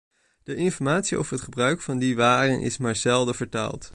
De informatie over het gebruik van die waren is maar zelden vertaald.